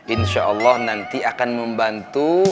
insyaallah nanti akan membantu